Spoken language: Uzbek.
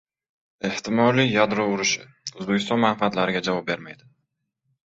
Ehtimoliy yadro urushi... O‘zbekiston manfaatlariga javob bermaydi!